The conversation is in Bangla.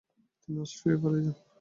তিনি অস্ট্রিয়ায় পালিয়ে যান।